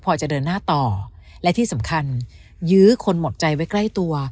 พอจะเดินหน้าต่อและที่สำคัญยื้อคนหมดใจไว้ใกล้ตัว